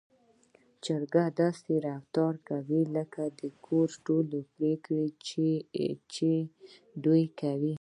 چرګې داسې رفتار کوي لکه د کور ټولې پرېکړې چې دوی کوي.